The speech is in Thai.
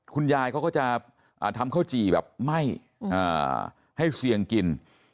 คุณยายเขาก็จะทำข้าวจี่แบบไหม้ให้เสี่ยงกิน